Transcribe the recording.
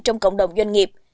trong cộng đồng doanh nghiệp